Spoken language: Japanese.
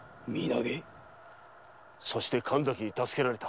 そして神崎に助けられた。